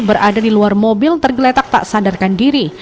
berada di luar mobil tergeletak tak sadarkan diri